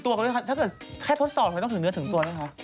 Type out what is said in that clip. ถ้าเกิดแค่ทดสอบทำไมต้องถึงเนื้อถึงตัวไหมคะ